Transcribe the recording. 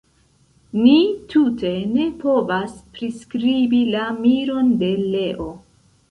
Ni tute ne povas priskribi la miron de Leo.